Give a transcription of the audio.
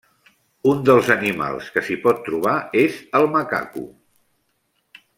Un dels animals que s'hi pot trobar és el macaco.